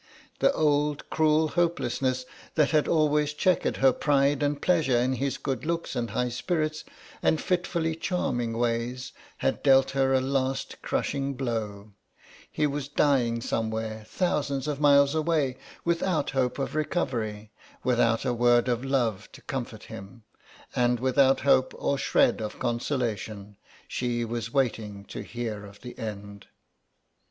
The old cruel hopelessness that had always chequered her pride and pleasure in his good looks and high spirits and fitfully charming ways had dealt her a last crushing blow; he was dying somewhere thousands of miles away without hope of recovery, without a word of love to comfort him, and without hope or shred of consolation she was waiting to hear of the end.